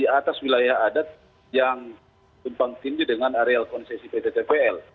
atas wilayah adat yang tumpang tinggi dengan areal konsesi pt cpl